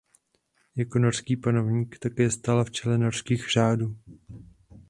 Jako norský panovník také stál v čele norských řádů.